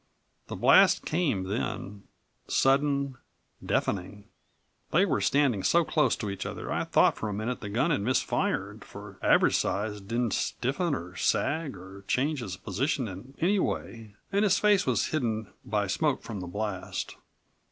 The blast came then, sudden, deafening. They were standing so close to each other I thought for a minute the gun had misfired, for Average Size didn't stiffen or sag or change his position in any way and his face was hidden by smoke from the blast.